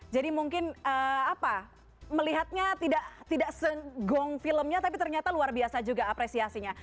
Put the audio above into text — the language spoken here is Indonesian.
jadi mungkin apa melihatnya tidak segong filmnya tapi ternyata luar biasa juga apresiasinya